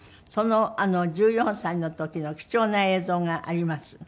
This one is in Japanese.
その１４歳の時の貴重な映像があります。